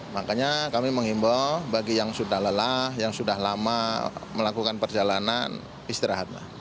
makanya kami mengimbau bagi yang sudah lelah yang sudah lama melakukan perjalanan istirahatlah